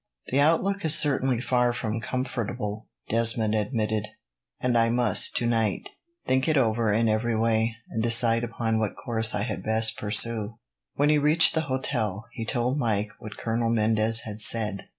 "The lookout is certainly far from comfortable," Desmond admitted, "and I must, tonight, think it over in every way, and decide upon what course I had best pursue." When he reached the hotel, he told Mike what Colonel Mendez had said.